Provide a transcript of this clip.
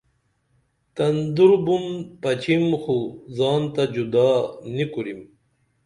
تندور بُن پچیم خو زان تہ جُدا نی کُریم